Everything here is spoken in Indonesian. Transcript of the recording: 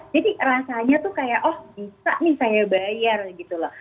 jadi rasanya tuh kayak oh bisa nih saya bayar gitu loh